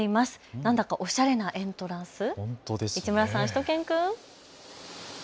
なんかおしゃれなエントランス、市村さん、しゅと犬くん。